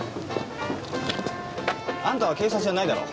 あんたは警察じゃないだろ？